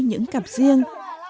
những cặp riêng